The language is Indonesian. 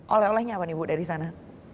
oleh olehnya apa nih bu dari sana